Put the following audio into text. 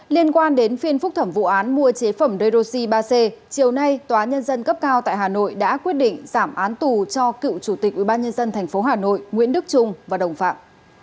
liên quan đến phiên phúc thẩm vụ án mua chế phẩm redoxi ba c chiều nay tòa nhân dân cấp cao tại hà nội đã quyết định giảm án tù cho cựu chủ tịch ubnd tp hà nội nguyễn đức trung và đồng phạm